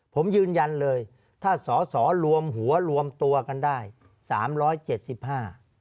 ผมยืนยันเลยถ้าสอสอรวมหัวรวมตัวกันได้สามร้อยเจ็ดสิบห้า